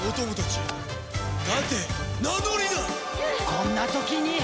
こんな時に！